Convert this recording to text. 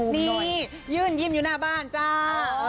นี่ยืนยิ้มอยู่หน้าบ้านจ้า